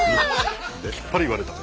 きっぱり言われた。